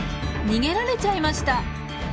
逃げられちゃいました。